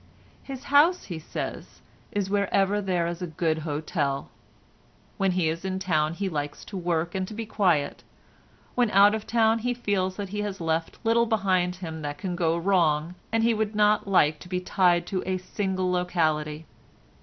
His house, he says, is wherever there is a good hotel. When he is in town he likes to work and to be quiet. When out of town he feels that he has left little behind him that can go wrong, and he would not like to be tied to a single locality.